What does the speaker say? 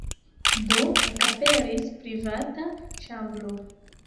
Do, ekaperis privata ĉambro.